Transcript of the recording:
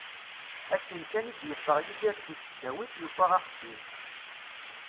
Akken kan i d-yeffeɣ Yidir si tesdawit, yufa axeddim.